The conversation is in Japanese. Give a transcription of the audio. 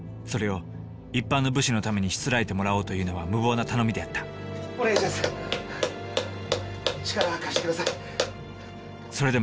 それを一般の武士のためにしつらえてもらおうというのは無謀な頼みであったお願いしやす。